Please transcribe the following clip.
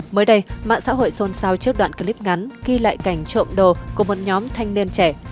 mới đây mạng xã hội xôn xao trước đoạn clip ngắn ghi lại cảnh trộm đồ của một nhóm thanh niên trẻ